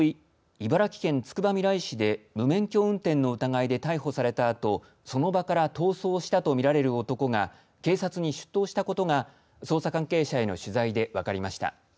茨城県つくばみらい市で無免許運転の疑いで逮捕されたあとその場から逃走したとみられる男が警察に出頭したことが捜査関係者への取材で分かりました。